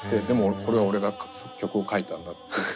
でもこれは俺が曲を書いたんだって。